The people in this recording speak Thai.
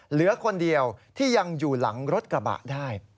เหลือคนเดียวที่ยังอยู่หลังรถกระบะได้